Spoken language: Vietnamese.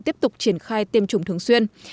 tiếp tục triển khai tiêm chủng thường xuyên